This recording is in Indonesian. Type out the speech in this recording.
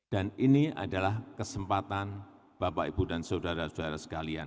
dan ini adalah kesempatan bapak ibu dan saudara saudara sekalian